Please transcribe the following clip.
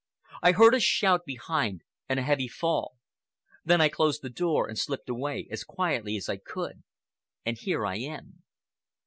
I heard a shout behind and a heavy fall. Then I closed the door and slipped away as quietly as I could—and here I am."